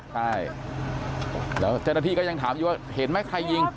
ใช่แล้วเจ้าหน้าที่ก็ยังถามอยู่ว่าเห็นไหมใครยิง